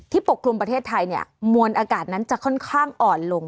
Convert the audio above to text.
ปกคลุมประเทศไทยเนี่ยมวลอากาศนั้นจะค่อนข้างอ่อนลง